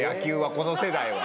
この世代は。